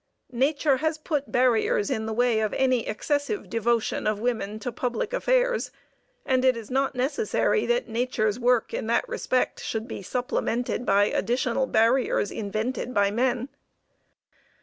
Nature has put barriers in the way of any excessive devotion of women to public affairs, and it is not necessary that nature's work in that respect should be supplemented by additional barriers invented by men.